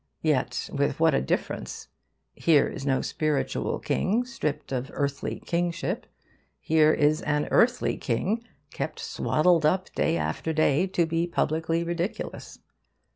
Yet with what a difference! Here is no spiritual king stripped of earthly kingship. Here is an earthly king kept swaddled up day after day, to be publicly ridiculous.